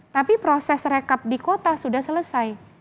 tapi proses rekap di kota sudah selesai